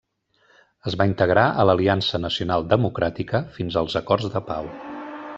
Es va integrar a l'Aliança Nacional Democràtica fins als acords de pau.